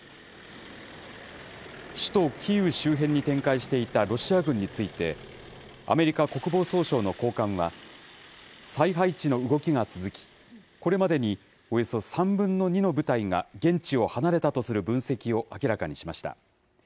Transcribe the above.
首都キーウ周辺に展開していたロシア軍について、アメリカ国防総省の高官は、再配置の動きが続き、これまでにおよそ３分の２の部隊が現地を離れたとする分析を明らかにしました。